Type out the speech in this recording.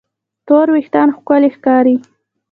تور وېښتيان ښکلي ښکاري.